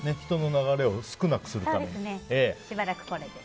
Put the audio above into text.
人の流れを少なくするために。